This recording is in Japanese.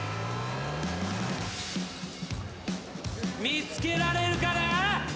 見つけられるかな？